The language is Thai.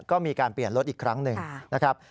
ก็มีการเปลี่ยนรถอีกครั้งหนึ่งนะครับ